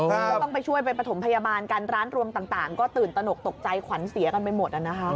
ก็ต้องไปช่วยไปประถมพยาบาลกันร้านรวมต่างก็ตื่นตนกตกใจขวัญเสียกันไปหมด